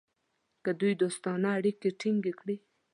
که دوی دوستانه اړیکې ټینګ کړي.